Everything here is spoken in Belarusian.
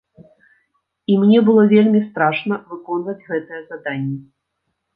І мне было вельмі страшна выконваць гэтыя заданні.